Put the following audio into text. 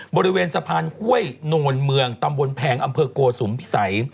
บริเวณสะพานห้วยโนนเมืองตำบลแพงอำเภอโกสุมพิสัย